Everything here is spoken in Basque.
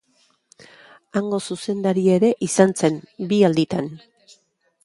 Hango zuzendari ere izan zen, bi alditan.